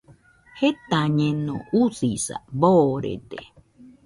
Jetañeno, usisa boorede.